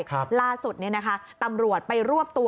ล่าสุดเนี้ยนะคะตำรวจไปรวบตัว